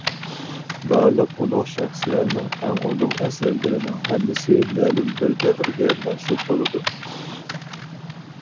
بارلىق ئۇلۇغ شەخسلەرنىڭ ئەڭ ئۇلۇغ ئەسەرلىرىنىڭ ھەممىسى مەلۇم بىر دەۋرگە مەنسۇپ بولىدۇ.